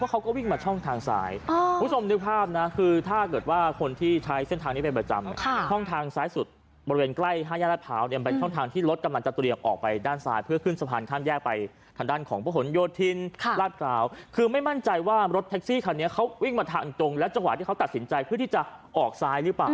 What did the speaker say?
ก็ต้องการตัดสินใจเพื่อที่จะออกซ้ายหรือเปล่า